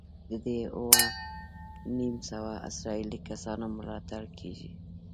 د دې اووه نیم سوه اسرائیلي کسانو ملاتړ کېږي.